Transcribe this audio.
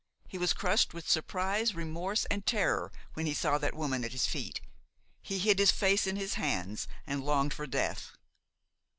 He was crushed with surprise, remorse and terror when he saw that woman at his feet; he hid his face in his hands and longed for death.